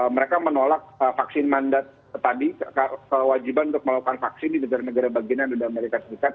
mereka menolak vaksin mandat tadi kewajiban untuk melakukan vaksin di negara negara bagian yang ada di amerika serikat